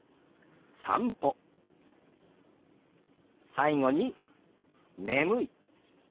最後に「眠い」。